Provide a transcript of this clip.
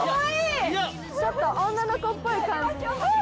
ちょっと女の子っぽい感じに。